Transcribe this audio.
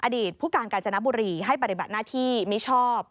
อดีตผู้การกาญจนบุรีให้ปฏิบัติหน้าที่มิชอบ